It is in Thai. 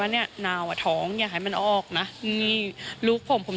อ่าเดี๋ยวฟองดูนะครับไม่เคยพูดนะครับ